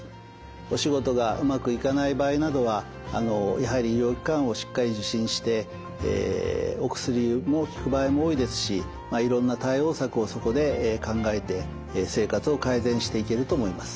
お仕事がうまくいかない場合などはやはり医療機関をしっかり受診してお薬も効く場合も多いですしいろんな対応策をそこで考えて生活を改善していけると思います。